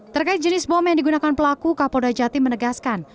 terkait jenis bom yang digunakan pelaku kapolda jatim menegaskan